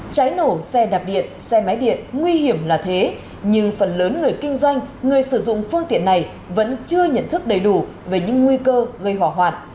cháy nổ xe đạp điện xe máy điện nguy hiểm là thế nhưng phần lớn người kinh doanh người sử dụng phương tiện này vẫn chưa nhận thức đầy đủ về những nguy cơ gây hỏa hoạt